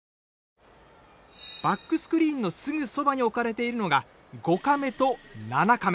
バックスクリーンのすぐそばに置かれているのが５カメと７カメ。